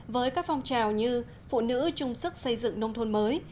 với các phong trào như phụ nữ trung sức xây dựng nông thôn mới